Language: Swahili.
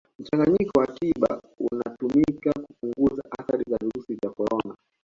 Mchanganyiko wa tiba unatumika kupunguza athari za virusi vya Corona